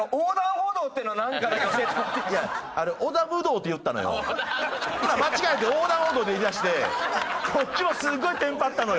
ほんなら間違えて横断歩道って言いだしてこっちもすごいテンパったのよ。